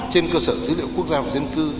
trên cơ sở dữ liệu quốc gia về dân cư